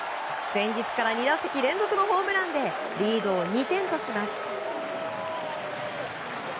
前日から２打席連続のホームランでリードを２点とします。